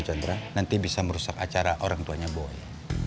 chandra nanti bisa merusak acara orang tuanya boy